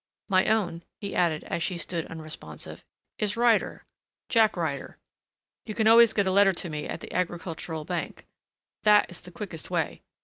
My own," he added, as she stood unresponsive, "is Ryder Jack Ryder. You can always get a letter to me at the Agricultural Bank. That is the quickest way.